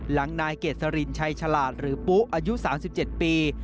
หลังนายเกษรินชัยฉลาดหรือปุ๊อายุ๓๗ปี